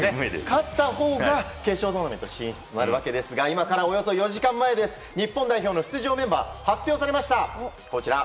勝ったほうが決勝トーナメント進出となりますが今からおよそ４時間前日本代表の出場メンバーが発表されました。